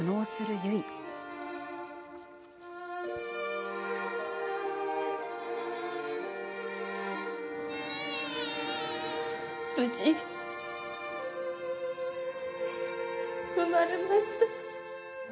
無事生まれました。